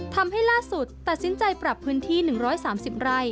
ทำให้ล่าสุดตัดสินใจปรับพื้นที่๑๓๐ไร่